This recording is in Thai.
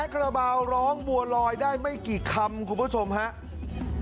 คาราบาลร้องบัวลอยได้ไม่กี่คำคุณผู้ชมครับ